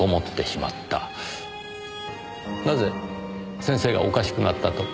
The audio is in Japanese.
なぜ先生がおかしくなったと？